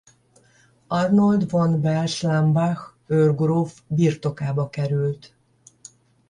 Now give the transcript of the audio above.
Arnold von Wels-Lambach őrgróf birtokába került.